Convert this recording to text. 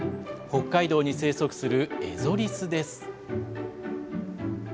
北海道に生息するエゾリスです。